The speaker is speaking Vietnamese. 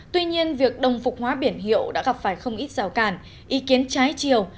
tuy nhiên việc đồng phục hóa biển hiệu đã gặp phải không ít rào cản ý kiến trái chiều